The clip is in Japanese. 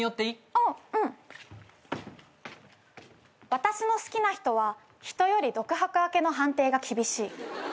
私の好きな人は人より独白明けの判定が厳しい。